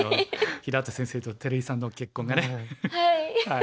平田先生と照井さんの結婚がね。